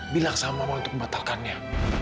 bilang sama mau untuk membatalkannya